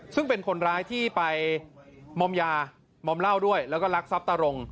ซึ่งเป็นคนร้ายที่ไปมอมยามอมเหล้าด้วยแล้วก็รักทรัพย์ตารง